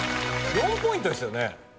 ４ポイントですよね？